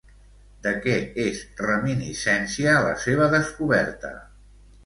De què és reminiscència la seva descoberta?